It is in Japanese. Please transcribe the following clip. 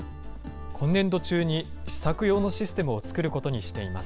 今年度中に試作用のシステムを作ることにしています。